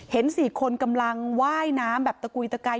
เห็นสี่คนกำลังว่ายน้ำแบบตะกุ้ยตะไกล